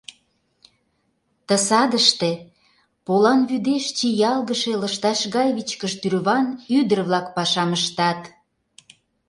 Ты садыште полан вӱдеш чиялгыше лышташ гай вичкыж тӱрван ӱдыр-влак пашам ыштат.